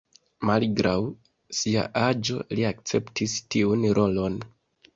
Malgraŭ sia aĝo, li akceptis tiun rolon.